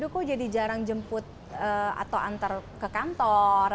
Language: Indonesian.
kok jadi jarang jemput atau antar ke kantor